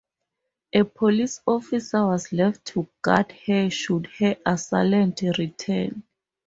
A police officer was left to guard her, should her assailant return.